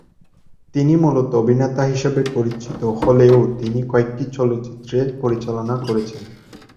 তিনি মূলত অভিনেতা হিসেবে পরিচিত হলেও তিনি কয়েকটি চলচ্চিত্র পরিচালনা করেছেন।